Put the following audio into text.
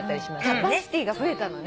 キャパシティが増えたのね。